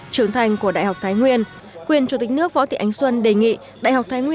chủ tịch nước võ thị ánh xuân